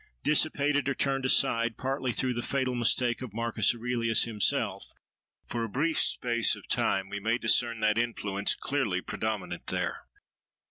Dissipated or turned aside, partly through the fatal mistake of Marcus Aurelius himself, for a brief space of time we may discern that influence clearly predominant there.